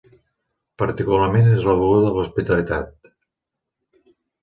Particularment, és la beguda de l'hospitalitat.